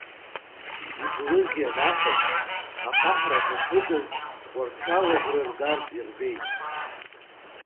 Иблыз ианахәаԥш, ахаҳә рацәа шыҵаз Тҟәарчал агәра ргартә ирбеит.